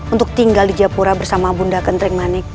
untuk tinggal di japura bersama bunda kentrik manik